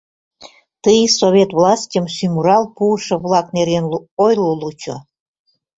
Тый Совет властьым сӱмырал пуышо-влак нерген ойло лучо.